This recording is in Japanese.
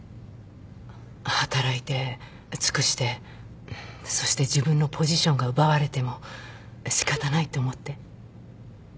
働いて尽くしてそして自分のポジションが奪われても仕方ないと思って。